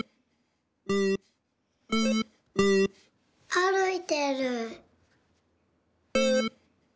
あるいてる。